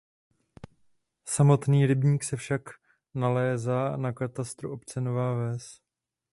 Samotný rybník se však nalézá na katastru obce Nová Ves.